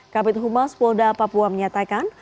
kapit huma spolda papua menyatakan